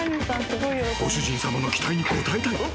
［ご主人さまの期待に応えたい。